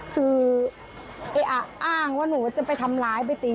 คืออ้างว่าหนูจะไปทำร้ายไปตี